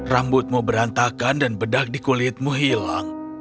rambutmu berantakan dan bedak di kulitmu hilang